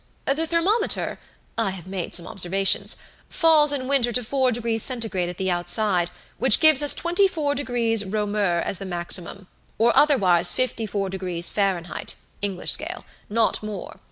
The thermometer (I have made some observations) falls in winter to 4 degrees Centigrade at the outside, which gives us 24 degrees Reaumur as the maximum, or otherwise 54 degrees Fahrenheit (English scale), not more.